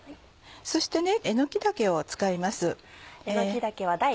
そしてえのき茸を使います。